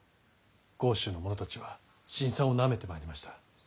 甲州の者たちは辛酸をなめてまいりました。